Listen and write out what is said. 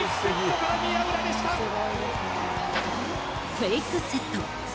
フェイクセット。